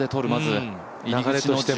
流れとしても。